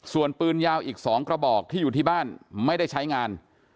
ส่วนปืนยาวอีก๒กระบอกที่อยู่ที่บ้านไม่ได้ใช้งาน